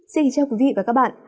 xin chào quý vị và các bạn